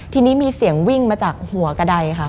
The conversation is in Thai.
ทีนี้มีเสียงวิ่งมาจากหัวกระดายค่ะ